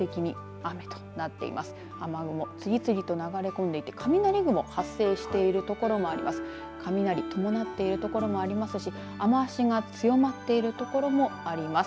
雨雲、次々と流れ込んでいて雷雲、発生している所もあります。